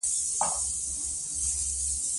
مور مې بلې کوټې ته بوتلم. هلته مې ولیدله چې